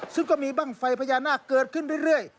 ซึ่งก็มีบ้างไฟพญานาคเกิดขึ้นเรื่อย